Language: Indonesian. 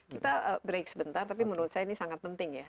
kita break sebentar tapi menurut saya ini sangat penting ya